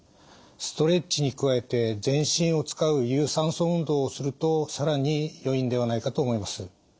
ストレッチに加えて全身を使う有酸素運動をすると更によいんではないかと思います。